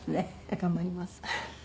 頑張ります。